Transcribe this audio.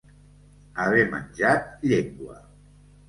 Haver menjat llengua.